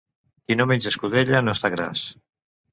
Qui no menja escudella no està gras.